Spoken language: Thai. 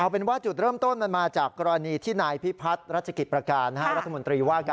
เอาเป็นว่าจุดเริ่มต้นมันมาจากกรณีที่นายพี่พลัดรัชคิดประการฮะ